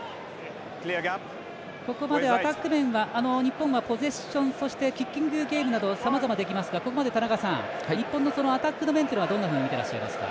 ここまでアタック面は日本はポゼッションそして、キッキングゲームなどさまざまできますがここまで田中さん日本のアタックの面というのはどういうふうに見てらっしゃいますか？